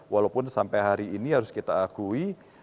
walaupun sampai hari ini harus kita akui